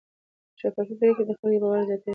شفافې پریکړې د خلکو باور زیاتوي.